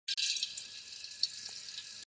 Je nejmladší z devíti dětí.